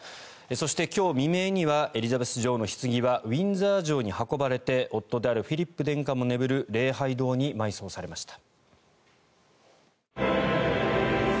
そして今日未明にはエリザベス女王のひつぎはウィンザー城に運ばれて夫であるフィリップ殿下も眠る礼拝堂に埋葬されました。